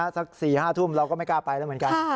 สัก๔๕ทุ่มเราก็ไม่กล้าไปแล้วเหมือนกัน